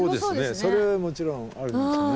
それはもちろんあるでしょうね。